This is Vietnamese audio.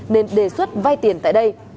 nên đề xuất vai tiền tại đây